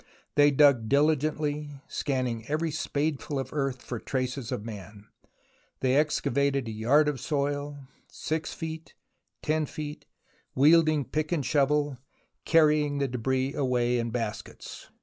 They dug diligently, scan ning every spadeful of earth for traces of man. They excavated a yard of soil, 6 feet, lo feet, wielding pick and shovel, carrying the debris away in baskets.